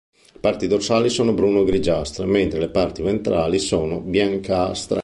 Le parti dorsali sono bruno-grigiastre, mentre le parti ventrali sono biancastre.